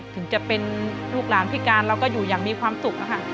ถึงจะเป็นลูกหลานพิการเราก็อยู่อย่างมีความสุขนะคะ